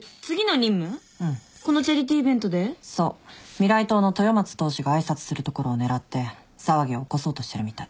未来党の豊松党首が挨拶するところを狙って騒ぎを起こそうとしてるみたい。